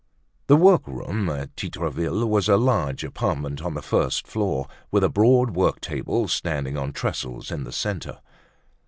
The workroom at Titreville's was a large apartment on the first floor, with a broad work table standing on trestles in the centre.